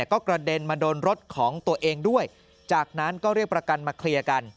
ก็กระเด็นมาโดนรถของตัวเองด้วยจากนั้นก็เรียกประกันมาเคลียร์กัน